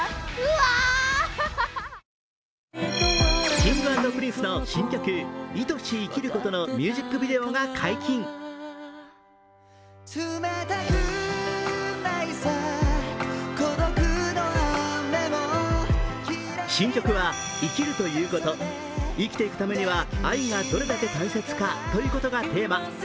Ｋｉｎｇ＆Ｐｒｉｎｃｅの新曲「愛し生きること」のミュージックビデオが解禁新曲は、生きるということ、生きていくためには愛がどれだけ大切かということがテーマ。